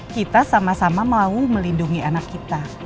kita sama sama mau melindungi anak kita